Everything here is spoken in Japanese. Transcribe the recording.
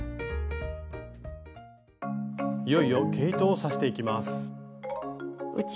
いよいよ毛糸を刺していきます。